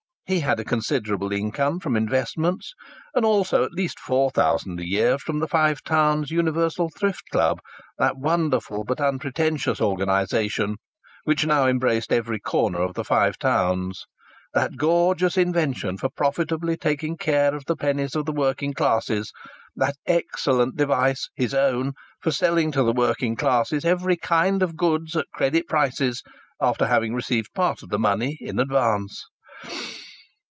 He had a considerable income from investments, and also at least four thousand a year from the Five Towns Universal Thrift Club, that wonderful but unpretentious organization which now embraced every corner of the Five Towns that gorgeous invention for profitably taking care of the pennies of the working classes that excellent device, his own, for selling to the working classes every kind of goods at credit prices after having received part of the money in advance!